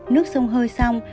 nước sông hơi xong